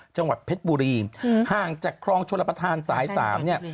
จังหวัดเพชรบุรีห่างจากคลองชลประธานสายสามเนี่ย